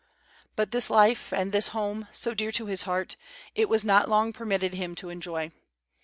But this life and this home, so dear to his heart, it was not long permitted him to enjoy.